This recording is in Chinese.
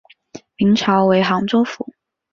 明朝为杭州府。